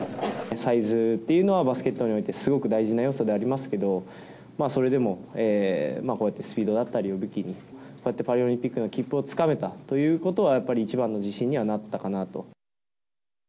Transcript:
サイズというのは、バスケットにおいてすごく大事な要素でありますけど、それでも、こうやってスピードだったりを武器に、こうやってパリオリンピックの切符をつかめたということは、やっぱり一番の自信にはなったかなと。